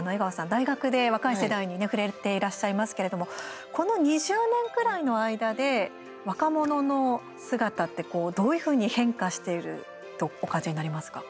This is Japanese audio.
大学で若い世代に触れていらっしゃいますけれどもこの２０年ぐらいの間で若者の姿って、どういうふうに変化しているとお感じになりますか？